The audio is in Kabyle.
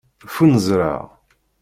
Ffunzreɣ.